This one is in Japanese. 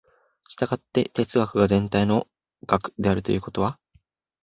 従って哲学が全体の学であるということは、